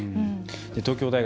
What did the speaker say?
東京大学